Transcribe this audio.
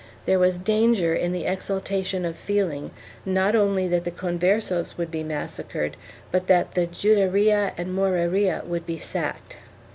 There was danger, in the exalta tion of feeling, not only that the Converses would be massacred but that the Juderia and Moreria would be sacked.